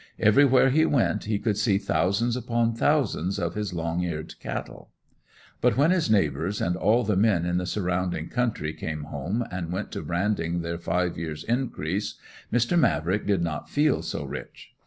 Everywhere he went he could see thousands upon thousands of his long eared cattle. But when his neighbors and all the men in the surrounding country came home and went to branding their five years increase, Mr. Mavrick did not feel so rich.